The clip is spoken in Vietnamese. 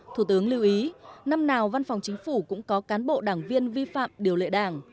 thủ tướng lưu ý năm nào văn phòng chính phủ cũng có cán bộ đảng viên vi phạm điều lệ đảng